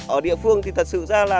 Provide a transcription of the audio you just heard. ở địa phương thì thật sự ra là